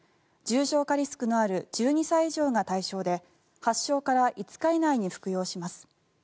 重症化リスクのある１２歳以上が対象で発症から５日以内に服用します。